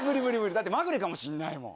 だってまぐれかもしれないもん。